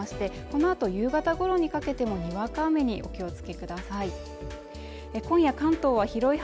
このあと夕方ごろにかけてもにわか雨にお気をつけください